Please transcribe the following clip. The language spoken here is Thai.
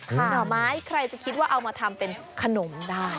หน่อไม้ใครจะคิดว่าเอามาทำเป็นขนมได้